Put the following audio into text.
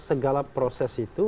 segala proses itu